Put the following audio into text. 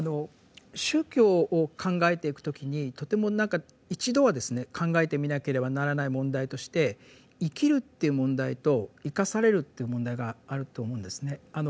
宗教を考えていく時にとても何か一度は考えてみなければならない問題として「生きる」という問題と「生かされる」という問題があると思うんですね。